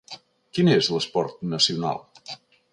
Quin és l'esport nacional?